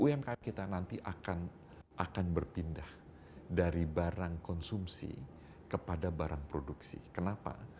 umkm kita nanti akan akan berpindah dari barang konsumsi kepada barang produksi kenapa